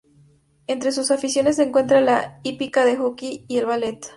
Entre sus aficiones se encuentran la hípica, el hockey y el ballet.